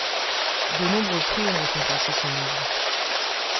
De nombreux prix ont récompensé son œuvre.